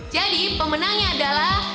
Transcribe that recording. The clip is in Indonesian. jadi pemenangnya adalah